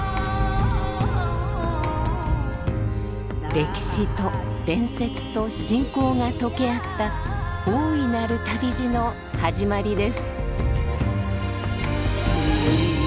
歴史と伝説と信仰が溶け合った大いなる旅路の始まりです。